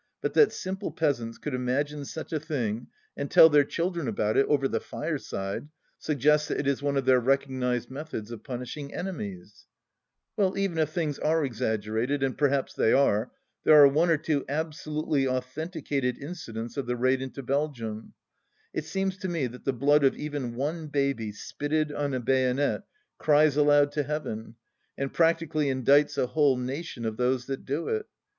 But that simple peasants could imagine such a thing, and tell their children about it over the fireside, suggests that it is one of their recognized methods of punishing enemies ! Well, even if things are exaggerated, and perhaps they are, there are one or two absolutely authenticated incidents of the raid into Belgium. It seems to me that the blood of even one dead baby spitted on a bayonet cries aloud to Heaven, and practically indicts a whole nation of those that do it.